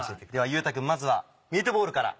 結太くんまずはミートボールから。